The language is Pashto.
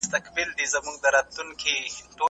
زه کتابونه ليکلي دي!!